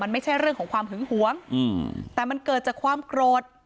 ไม่ใช่เรื่องของความหึงหวงแต่มันเกิดจากความโกรธ